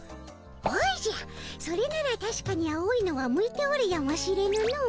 おじゃそれならたしかに青いのは向いておるやもしれぬの。